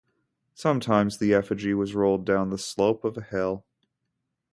Sometimes the effigy was rolled down the slope of a hill.